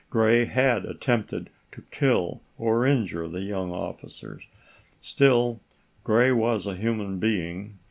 Gray had attempted to kill or injure the young officers. Still, Gray was a human being.